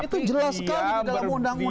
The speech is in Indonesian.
itu jelas sekali di dalam undang undang